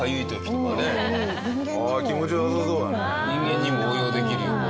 人間にも応用できるよこれ。